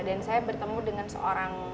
dan saya bertemu dengan seorang